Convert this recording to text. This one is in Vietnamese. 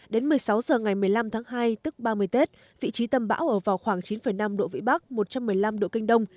đến một mươi sáu h ngày một mươi năm tháng hai tức ba mươi tết vị trí tâm bão ở vào khoảng chín năm độ vĩ bắc một trăm một mươi năm độ kinh đông